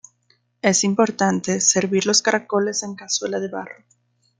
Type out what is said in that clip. Es importante servir los caracoles en cazuela de barro.